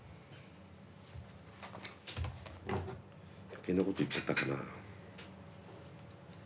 余計なこと言っちゃったかなあ？